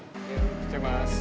sampai jumpa mas